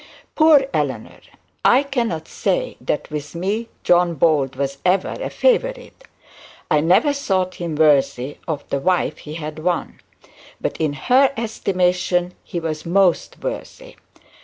Poor Eleanor! I cannot say that with me John Bold was ever a favourite. I never thought him worthy of the wife he had won. But in her estimation he was most worthy.